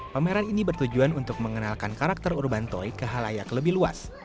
pameran ini bertujuan untuk mengenalkan karakter urban toy ke halayak lebih luas